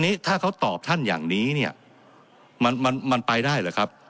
นี้ถ้าเขาตอบท่านอย่างนี้เนี่ยมันมันไปได้หรือครับ